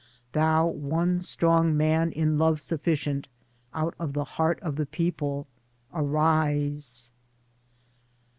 Thou one strong Man in love sufficient, out of the heart of the people — Arise!